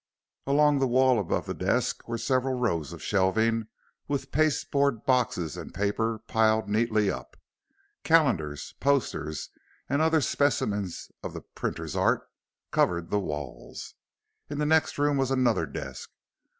Along the wall above the desk were several rows of shelving with paste board boxes and paper piled neatly up. Calendars, posters, and other specimens of the printer's art covered the walls. In the next room was another desk.